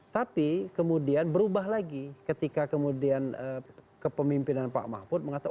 tapi kemudian berubah lagi ketika kemudian kepemimpinan pak mahfud mengatakan